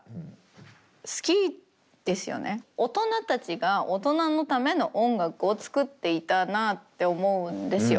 大人たちが大人のための音楽を作っていたなあって思うんですよ。